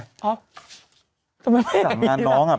คำไมไม่เห็นจำงานน้องอ่ะ